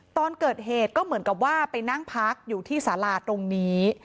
ตอนเกิดเหตุก็เหมือนกับว่าไปนั่งพักอยู่ที่สาราตรงนี้